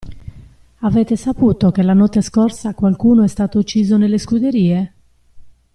Avete saputo che la notte scorsa qualcuno è stato ucciso nelle scuderie?